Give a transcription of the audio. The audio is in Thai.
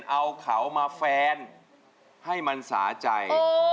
เอาเขามาแฟนให้มันสาใจ